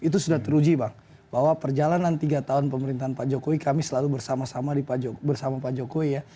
itu sudah teruji bang bahwa perjalanan tiga tahun pemerintahan pak jokowi kami selalu bersama sama bersama pak jokowi ya